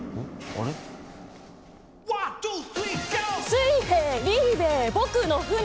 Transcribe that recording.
「水兵リーベ僕の船」